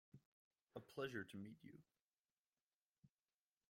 A pleasure to meet you.